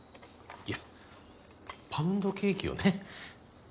いやパウンドケーキをね。